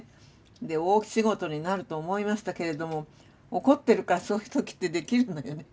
で大仕事になると思いましたけれども怒ってるからそういう時ってできるのよね。